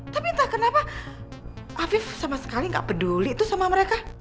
tapi entah kenapa afif sama sekali gak peduli itu sama mereka